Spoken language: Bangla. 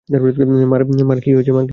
মা-র কি হয়েছে?